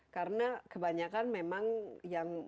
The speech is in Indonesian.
karena kebanyakan memang yang